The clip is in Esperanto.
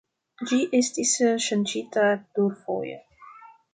Ĝi estis ŝanĝita plurfoje.